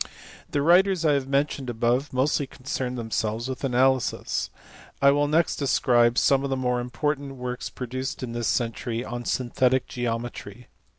The writers I have mentioned above mostly concerned themselves with analysis. I will next describe some of the more important works produced in this century on synthetic geometry*.